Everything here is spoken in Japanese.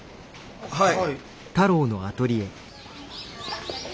はい。